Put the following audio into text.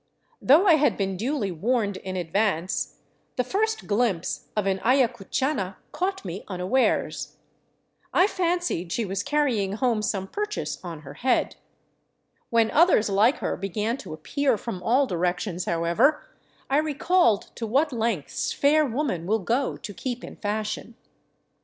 Though I had been duly warned in advance, the first glimpse of an ayacuchana caught me unawares. I 392 THE ROUTE OF THE CONQUISTADORES fancied she was carrying home some purchase on her head. When others Hke her began to appear from all directions, however, I recalled to what lengths fair woman will go to keep in fashion.